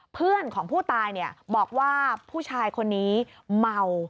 เพื่อนของผู้ตายบอกว่าผู้ชายคนนี้เมา